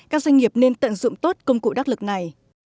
các doanh nghiệp nên tận dụng tốt công cụ đắc lực này